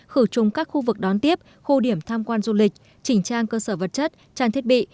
khử trùng các khu vực đón tiếp khu điểm tham quan du lịch chỉnh trang cơ sở vật chất trang thiết bị